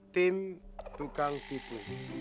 tim tukang tipu